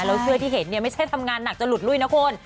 แล้วเสื้อที่เห็นเนี่ยไม่ใช่ทำงานหนักจะหลุดลุ้ยนะคุณ